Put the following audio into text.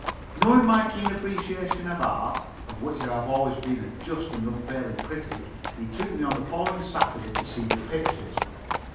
Knowing my keen appreciation of art, of which I have always been a just and unfailing critic, he took me on the following Saturday to see the pictures.